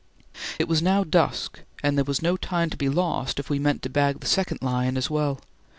It was now dusk, and there was no time to be lost if we meant to bag the second lion as well.